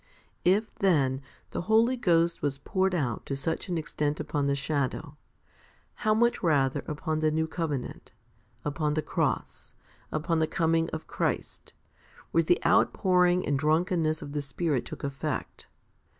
4. If, then, the Holy Ghost was poured out to such an extent upon the shadow, how much rather upon the New Covenant, upon the cross, upon the coming of Christ, where the outpouring and drunkenness of the Spirit took effect.